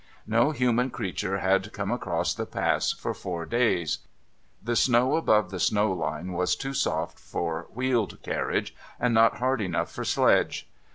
No human creature had come across the Pass for four days. The snow above ASCENDING THE SIMPLON 547 the snow line was too soft for wheeled carriage, and not hard enough for sledge.